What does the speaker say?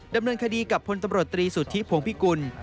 ดำเนินคดีกับพลตำรวจตรีสุทธิพงพิกุล